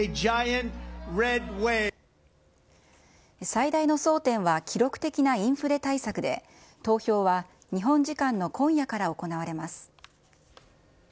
最大の争点は記録的なインフレ対策で、投票は日本時間の今夜から行われます。